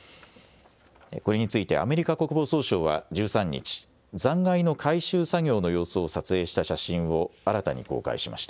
これについて、アメリカ国防総省は１３日、残骸の回収作業の様子を撮影した写真を新たに公開しました。